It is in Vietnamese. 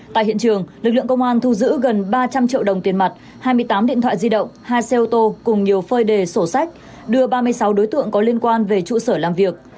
tại hiện trường lực lượng công an thu giữ gần ba trăm linh triệu đồng tiền mặt hai mươi tám điện thoại di động hai xe ô tô cùng nhiều phơi đề sổ sách đưa ba mươi sáu đối tượng có liên quan về trụ sở làm việc